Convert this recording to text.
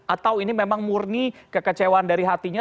atau ini memang murni kekecewaan dari hatinya